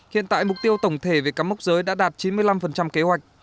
hiện tại mục tiêu tổng thể về cắm mốc giới đã đạt chín mươi năm kế hoạch